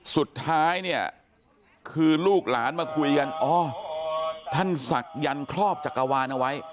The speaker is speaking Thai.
สุดท้ายคือลูกหลานมาคุยกันอ้อท่านศักยรษ์ครอบจักรวรรณไว้